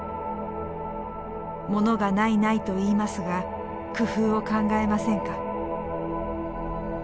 「物がないないといいますが工夫を考えませんか」。